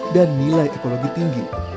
dan nilai ekologi tinggi